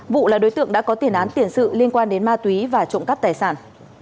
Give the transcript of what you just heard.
vụ là đối tượng đã có tiền án tiền sự liên quan đến ma túy và trộm cắp tài sản